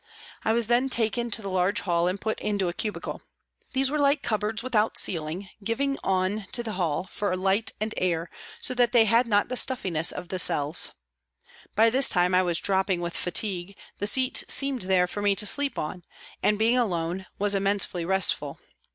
I was then taken to the large hall and put into a cubicle. These were like cupboards, without ceiling, giving on to the hall for light and air, so that they had not the stuffiness of the cells. By this time I was dropping with fatigue, the seat seemed there for me to sleep on, and being alone was immensely restful.